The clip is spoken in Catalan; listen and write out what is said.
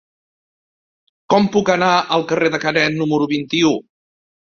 Com puc anar al carrer de Canet número vint-i-u?